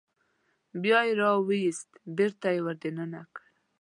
بیا یې راوویست بېرته یې ور دننه کړ.